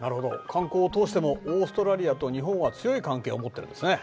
観光を通してもオーストラリアと日本は強い関係を持っているんですね。